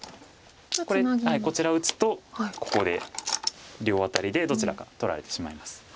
こちら打つとここで両アタリでどちらか取られてしまいます。